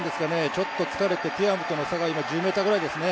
ちょっと疲れてティアムとの差が１０ｍぐらいですね。